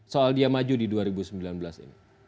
soal dia maju di dua ribu sembilan belas ini